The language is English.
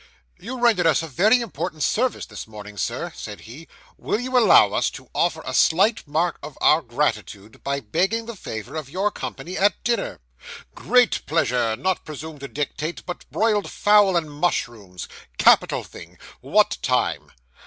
'You rendered us a very important service this morning, sir,' said he, 'will you allow us to offer a slight mark of our gratitude by begging the favour of your company at dinner?' 'Great pleasure not presume to dictate, but broiled fowl and mushrooms capital thing! What time?